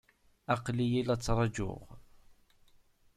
Aql-iyi la t-ttṛajuɣ.